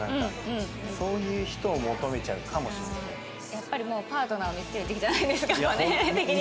やっぱりパートナーを見つける時期じゃないですか年齢的に。